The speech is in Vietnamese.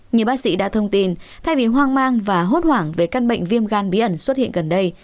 như bác sĩ đã thông tin thay vì hoang mang và hốt hoảng về căn bệnh viêm gan bí ẩn xuất hiện gần đây